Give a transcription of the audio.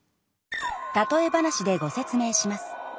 例え話でご説明します。